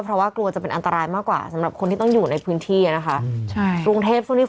เพราะว่ากลัวจะเป็นอันตรายมากกว่าสำหรับคนที่ต้องอยู่ในพื้นที่นี่นะคะ